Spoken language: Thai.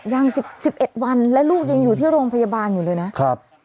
ยัง๑๑วันและลูกยังอยู่ที่โรงพยาบาลอยู่เลยนะครับ